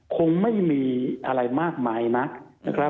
คงไม่มีอะไรมากมายนักนะครับ